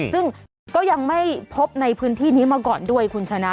ซึ่งก็ยังไม่พบในพื้นที่นี้มาก่อนด้วยคุณชนะ